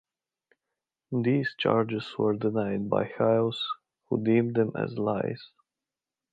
These charges were denied by Hyles who deemed them "lies".